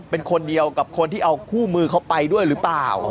เป็นคนเดียวกับคนที่เอาคู่มือเขาไปด้วยหรือเปล่า